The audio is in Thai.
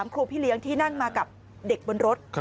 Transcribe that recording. ครูพี่เลี้ยงที่นั่งมากับเด็กบนรถ